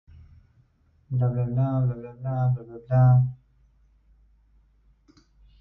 People participate in outdoor games and activities such as sledding, snowball fights, and masquerades.